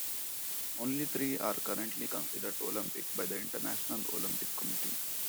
Only three are currently considered Olympic by the International Olympic Committee.